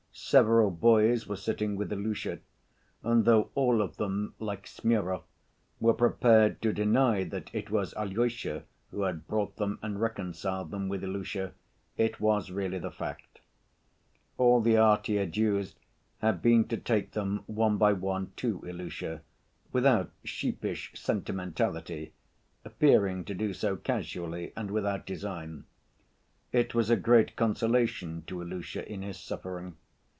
Several boys were sitting with Ilusha, and though all of them, like Smurov, were prepared to deny that it was Alyosha who had brought them and reconciled them with Ilusha, it was really the fact. All the art he had used had been to take them, one by one, to Ilusha, without "sheepish sentimentality," appearing to do so casually and without design. It was a great consolation to Ilusha in his suffering.